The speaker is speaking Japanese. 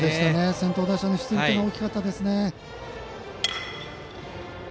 先頭打者の出塁が大きかったですね。